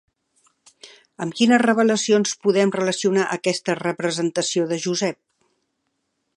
Amb quines revelacions podem relacionar aquesta representació de Josep?